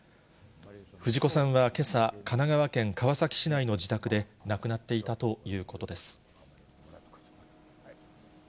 藤子さんはけさ、神奈川県川崎市内の自宅で亡くなっていたということです。